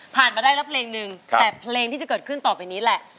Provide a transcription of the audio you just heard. มาได้แล้วเพลงนึงแต่เพลงที่จะเกิดขึ้นต่อไปนี้แหละ